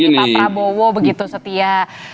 itu pak prabowo begitu setia